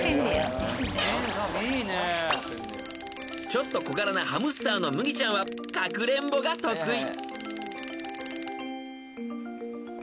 ［ちょっと小柄なハムスターのムギちゃんはかくれんぼが得意］